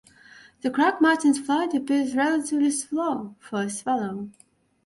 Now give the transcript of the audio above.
The crag martin's flight appears relatively slow for a swallow.